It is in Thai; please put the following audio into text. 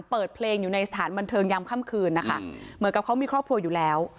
เปิดเพลงอยู่ในสถานบันเทิงยามค่ำคืนนะคะเหมือนกับเขามีครอบครัวอยู่แล้ว